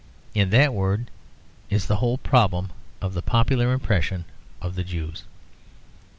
In that word is the whole problem of the popular impression of the Jews.